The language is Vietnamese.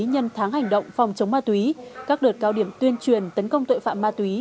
nhân tháng hành động phòng chống ma túy các đợt cao điểm tuyên truyền tấn công tội phạm ma túy